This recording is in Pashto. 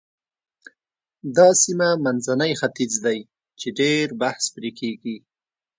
دا سیمه منځنی ختیځ دی چې ډېر بحث پرې کېږي.